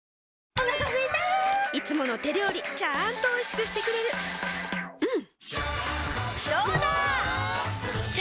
お腹すいたいつもの手料理ちゃんとおいしくしてくれるジューうんどうだわ！